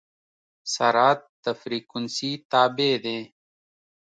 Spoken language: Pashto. سرعت د فریکونسي تابع دی.